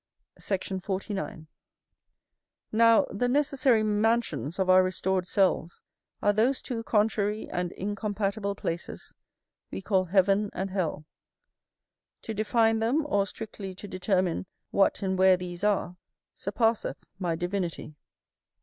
Sect. 49. Now, the necessary mansions of our restored selves are those two contrary and incompatible places we call heaven and hell. To define them, or strictly to determine what and where these are, surpasseth my divinity.